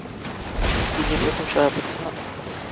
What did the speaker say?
তিনি প্রথম সভাপতি হন।